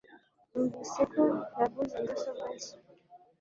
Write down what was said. Numvise ko yaguze mudasobwa nshya.